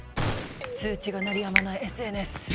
通知が鳴りやまないＳＮＳ。